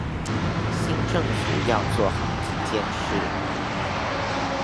新政府要做好幾件事